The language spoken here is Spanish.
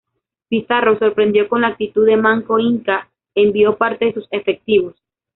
Pizarro, sorprendido con la actitud de Manco Inca envió parte de sus efectivos.